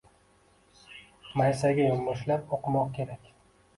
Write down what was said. Maysaga yonboshlab o’qimoq kerak: